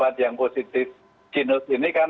ini kan pasti harus dirujuk ke rumah sakit rujukan